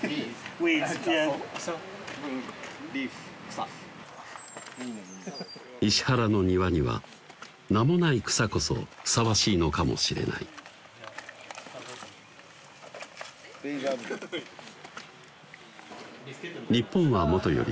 ウィーズリーフ草石原の庭には名もない草こそふさわしいのかもしれない日本はもとより